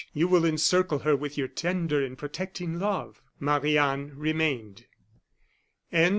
You will encircle her with your tender and protecting love " Marie Anne remained.